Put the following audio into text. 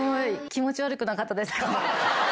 気持ち悪くなかったですか？